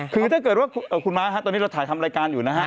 คือถ้าเกิดว่าคุณม้าตอนนี้เราถ่ายทำรายการอยู่นะฮะ